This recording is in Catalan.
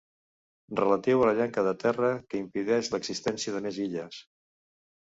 Relatiu a la llenca de terra que impedeix l'existència de més illes.